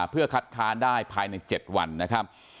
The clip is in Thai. เพื่อคัดค้านได้ภายใน๗วันนะครับ